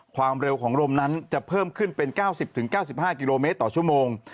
ความเร็วของลมนั้นจะเพิ่มขึ้นเป็น๙๐๙๕กิโลเมตรต่อชั่วโมง